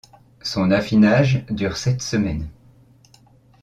Son affinage dure sept semaines.